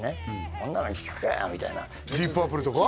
こんなの聴くかよみたいなディープ・パープルとか？